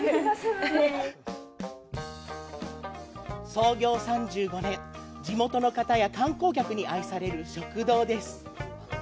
創業以来３５年地元の方や観光客に愛される食堂です。